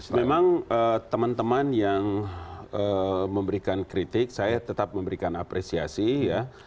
memang teman teman yang memberikan kritik saya tetap memberikan apresiasi ya